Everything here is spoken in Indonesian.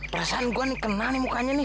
perasaan gua nih kenal nih mukanya nih